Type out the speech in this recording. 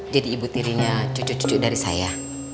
jadi ibu tirinya cucu cucu dari saya